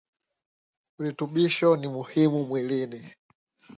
Virutubisho ni muhimu mwilini